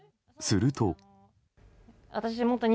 すると。